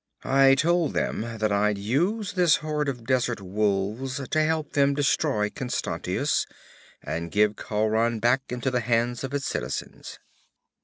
'I told them that I'd use this horde of desert wolves to help them destroy Constantius and give Khauran back into the hands of its citizens.'